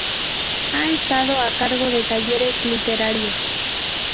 Ha estado a cargo de talleres literarios.